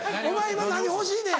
今何欲しいねん？